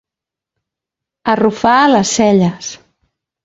Arrufar les celles.